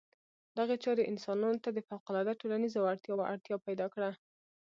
دغې چارې انسانانو ته د فوقالعاده ټولنیزو وړتیاوو اړتیا پیدا کړه.